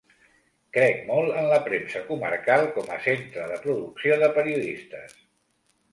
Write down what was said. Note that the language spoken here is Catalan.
Crec molt en la premsa comarcal com a centre de producció de periodistes.